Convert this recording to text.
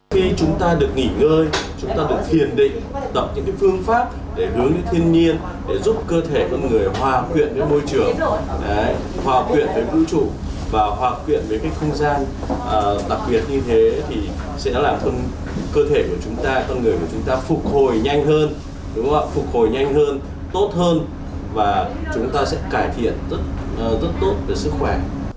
và hoạt viện với cái không gian đặc biệt như thế thì sẽ làm cơ thể của chúng ta con người của chúng ta phục hồi nhanh hơn tốt hơn và chúng ta sẽ cải thiện rất tốt với sức khỏe